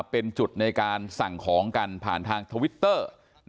เป็นจุดในการสั่งของกันผ่านทางทวิตเตอร์